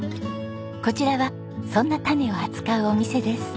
こちらはそんな種を扱うお店です。